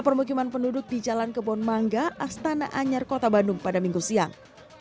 keputusan bagaimana penduduk di jalan kebun mangga astana anyar kota bandung pada minggu siang